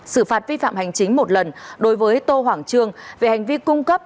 xử phạt vi phạm hành chính một lần đối với tô hoàng trương về hành vi cung cấp